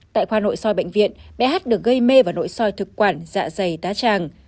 tại khoa nội soi bệnh viện bé hát được gây mê vào nội soi thực quản dạ dày tá tràng